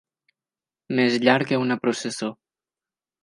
Més llarg que una processó.